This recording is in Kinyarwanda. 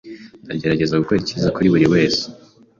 Ndagerageza gukora icyiza kuri buri wese.